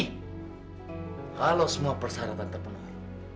kalau semua persyaratan terpenuhi